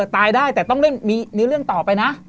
ตายได้แต่ต้องเล่นมีเนื้อเรื่องต่อไปนะ